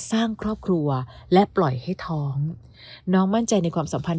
สร้างครอบครัวและปล่อยให้ท้องน้องมั่นใจในความสัมพันธ